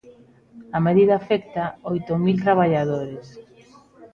A medida afecta oito mil traballadores.